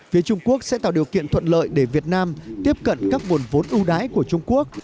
phía trung quốc sẽ tạo điều kiện thuận lợi để việt nam tiếp cận các nguồn vốn ưu đãi của trung quốc